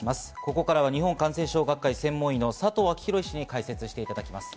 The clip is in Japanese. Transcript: ここからは日本感染症学会・専門医の佐藤昭裕医師に解説していただきます。